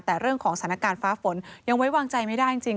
แต่เรื่องของสถานการณ์ฟ้าฝนยังไว้วางใจไม่ได้จริง